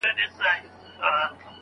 چي مي خپل سي له شمشاده تر چتراله